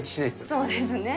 そうですね。